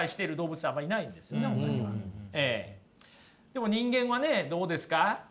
でも人間はねどうですか？